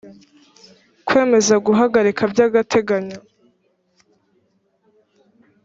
kwemeza guhagarika by’agateganyo